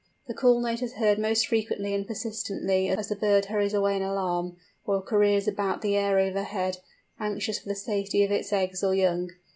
The call note is heard most frequently and persistently as the bird hurries away in alarm, or careers about the air overhead, anxious for the safety of its eggs or young.